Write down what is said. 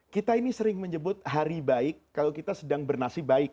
kita ini sering menyebut hari baik kalau kita sedang bernasib baik